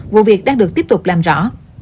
vụ việc đang được tiếp tục làm rõ